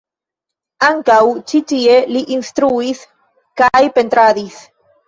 Ankaŭ ĉi tie li instruis kaj pentradis.